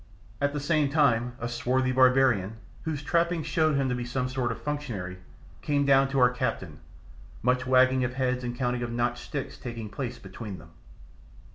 At the same time a swarthy barbarian, whose trappings showed him to be some sort of functionary, came down to our "captain," much wagging of heads and counting of notched sticks taking place between them.